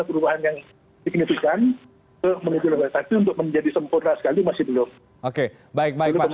untuk menjadi sempurna sekali masih belum